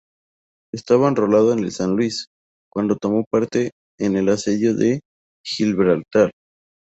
Estaba enrolado en el San Luis, cuando tomó parte en el asedio de Gibraltar.